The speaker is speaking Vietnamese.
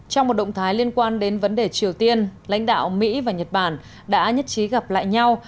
trong một động thái liên quan đến vấn đề triều tiên lãnh đạo mỹ và nhật bản đã nhất trí gặp lại nhau